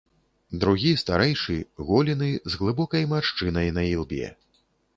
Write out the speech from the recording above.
Другі, старэйшы, голены, з глыбокай маршчынай на ілбе.